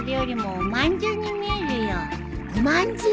おまんじゅう！